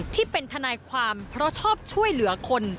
ที่เป็นทนายความเพราะชอบช่วยเหลือคน